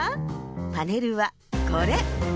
パネルはこれ。